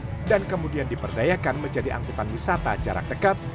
atau kemudian diperdayakan menjadi angkutan wisata jarak dekat